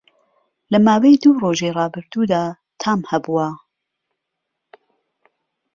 لە ماوەی دوو ڕۆژی ڕابردوودا تام هەبووه